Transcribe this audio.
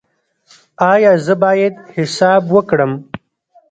ایا زه باید حساب وکړم؟